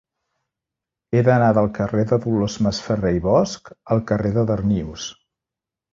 He d'anar del carrer de Dolors Masferrer i Bosch al carrer de Darnius.